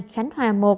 khánh hòa một